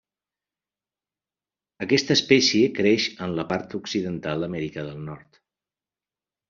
Aquesta espècie creix en la part occidental d'Amèrica del Nord.